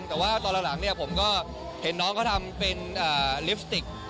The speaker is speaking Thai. แต่ว่าตอนหลังผมก็เห็นน้องเขาทำเป็นลิปสติก